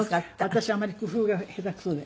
私あんまり工夫が下手くそで。